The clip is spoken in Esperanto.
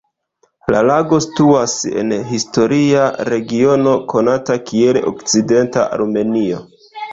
La lago situas en historia regiono konata kiel Okcidenta Armenio.